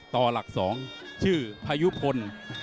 ต่อหลัก๒ชื่อพายุพล